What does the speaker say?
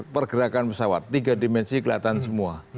pergerakan pesawat tiga dimensi kelihatan semua